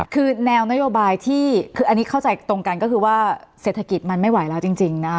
คือแนวนโยบายที่คืออันนี้เข้าใจตรงกันก็คือว่าเศรษฐกิจมันไม่ไหวแล้วจริงนะคะ